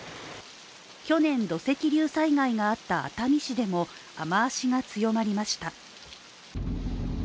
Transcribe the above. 去年、土石流災害があった熱海市でも雨足が強まりました。